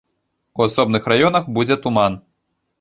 У асобных раёнах будзе туман.